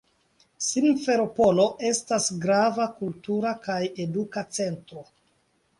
Simferopolo estas grava kultura kaj eduka centro.